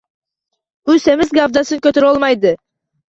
U semiz gavdasini ko‘tarolmaydi